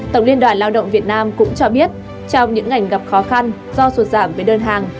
tổng liên đoàn lao động việt nam cũng cho biết trong những ngành gặp khó khăn do sụt giảm về đơn hàng